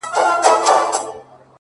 هـغــه اوس سيــمــي د تـــــه ځـــــي؛